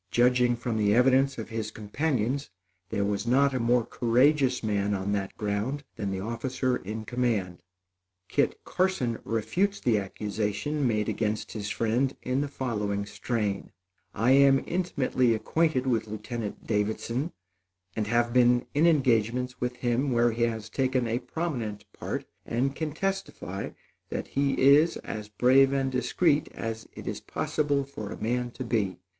Judging from the evidence of his companions, there was not a more courageous man on that ground than the officer in command. Kit Carson refutes the accusation made against his friend in the following strain: "I am intimately acquainted with Lieutenant Davidson and have been in engagements with him where he has taken a prominent part and can testify that he is as brave and discreet as it is possible for a man to be.